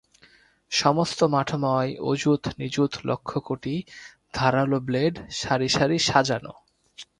সমস্ত মাঠময় অযুত নিযুত লক্ষ কোটি ধারাল ব্লেড সারি-সারি সাজান।